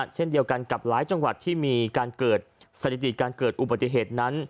เช่นเดียวกันกับหลายจังหวัดที่มีการเกิดสถิติการเกิดอุบัติเหตุนั้น